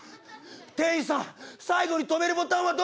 店員さん最後に止めるボタンはどこ？